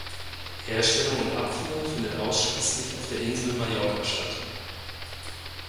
Herstellung und Abfüllung findet ausschließlich auf der Insel Mallorca statt.